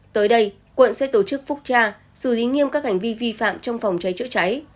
tới đây quận sẽ tổ chức phúc tra xử lý nghiêm các hành vi vi phạm trong phòng cháy chữa cháy